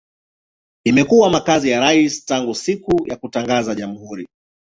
Imekuwa makazi ya rais tangu siku ya kutangaza jamhuri.